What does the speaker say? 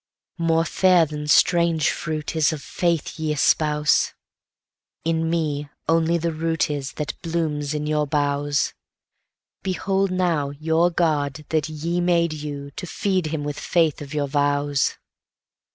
More fair than strange fruit isOf faith ye espouse; In me only the root isThat blooms in your boughs; Behold now your God that ye made you, to feed him with faith of your vows.